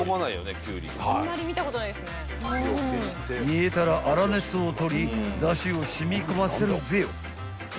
［煮えたら粗熱を取りだしを染み込ませるぜよ］